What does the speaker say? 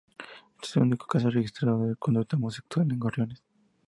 Este es el único caso registrado de conducta homosexual en gorriones.